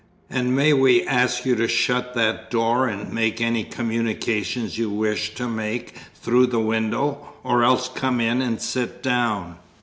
"And may we ask you to shut that door, and make any communications you wish to make through the window, or else come in and sit down?"